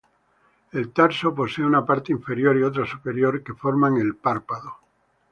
El tarso posee una parte inferior y otra superior que forman el párpado.